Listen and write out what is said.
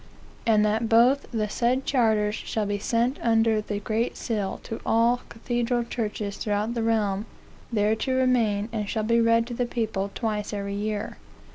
"And that both the said charters shall be sent under the great seal to all cathedral churches throughout the realm, there to remain, and shall be read to the people twice every year.